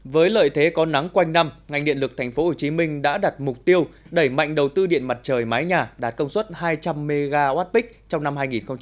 với lợi thế có nắng quanh năm ngành điện lực tp hcm đã đặt mục tiêu đẩy mạnh đầu tư điện mặt trời mái nhà đạt công suất hai trăm linh mwp trong năm hai nghìn hai mươi